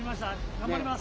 頑張ります。